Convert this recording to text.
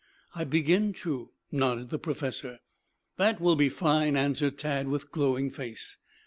"I begin to," nodded the professor. "That will be fine," answered Tad with glowing face.